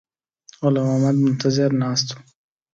غلام محمد منتظر ناست وو.